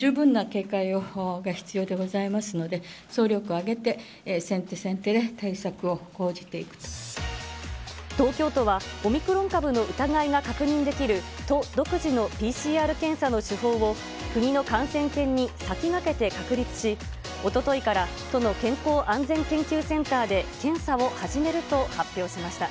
十分な警戒が必要でございますので、総力を挙げて、東京都はオミクロン株の疑いが確認できる、都独自のＰＣＲ検査の手法を国の感染研に先駆けて確立し、おとといから、都の健康安全研究センターで検査を始めると発表しました。